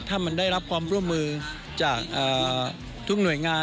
ถ้ามันได้รับความร่วมมือจากทุกหน่วยงาน